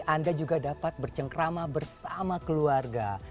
anda juga dapat bercengkrama bersama keluarga